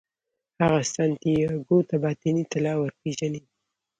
هغه سانتیاګو ته باطني طلا ورپېژني.